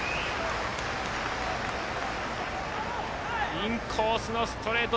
インコースのストレート。